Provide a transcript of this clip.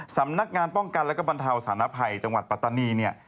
สำนักงานป้องกันและบรรเทาสารภัยจังหวัดปัตตานีเนี่ย